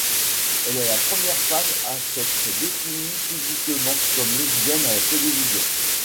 Elle est la première femme à s'être définie publiquement comme lesbienne à la télévision.